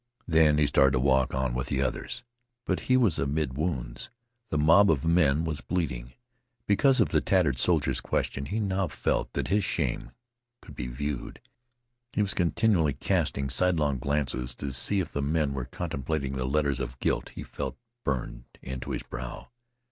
Then he started to walk on with the others. But he was amid wounds. The mob of men was bleeding. Because of the tattered soldier's question he now felt that his shame could be viewed. He was continually casting sidelong glances to see if the men were contemplating the letters of guilt he felt burned into his brow.